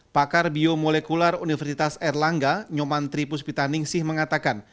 pakar biomolekular universitas erlangga nyoman tripus pitaning sih mengatakan